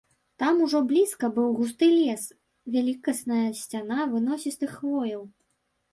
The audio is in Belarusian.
Там ужо блізка быў густы лес, вялікасная сцяна выносістых хвояў.